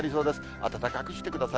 暖かくしてください。